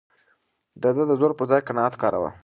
ده د زور پر ځای قناعت کاراوه.